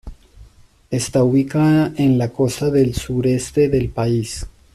Está ubicada en la costa del sureste del país.